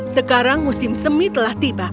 sekarang musim semi telah tiba